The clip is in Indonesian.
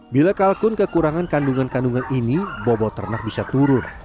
bila kalkun kekurangan kandungan kandungan ini bobot ternak bisa turun